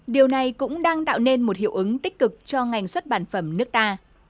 điều này cũng đang tạo nên một hiệu ứng tích cực cho ngành xuất bản phẩm nước ta